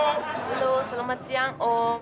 halo selamat siang om